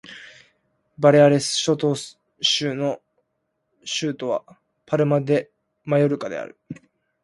バレアレス諸島州の州都はパルマ・デ・マヨルカである